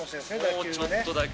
もうちょっとだけ。